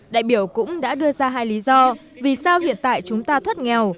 đại biểu cũng đã đưa ra hai lý do vì sao hiện tại chúng ta thoát nghèo